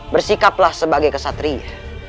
bersikaplah sebagai kesatria